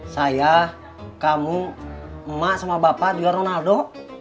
saya kamu emak sama bapak dia ronaldo